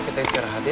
kita istirahat deh